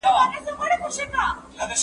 یکي یوه "یا" غلطي هم نسته پکښي،